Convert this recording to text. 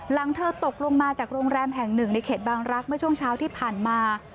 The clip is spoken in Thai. หลังเธอตกลงมาจากโรงแรมแห่งหนึ่งในเขตบางรักเมื่อช่วงเช้าที่ผ่านมา